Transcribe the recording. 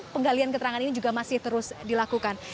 penggalian keterangan ini juga masih terus dilakukan